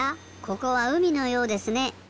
ここはうみのようですね。